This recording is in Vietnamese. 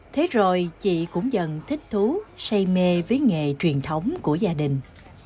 thế rồi chị cũng dần thích thú say mê với nghề truyền thống của gia đình